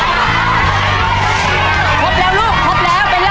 ไปส่อต่อแล้ว